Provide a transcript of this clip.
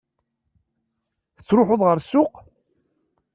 Tettruḥuḍ ɣer ssuq?